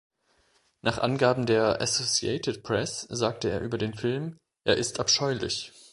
Nach Angaben der Associated Press sagte er über den Film: Er ist abscheulich.